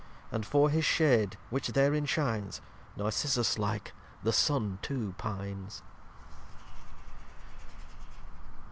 And for his shade which therein shines, Narcissus like, the Sun too pines.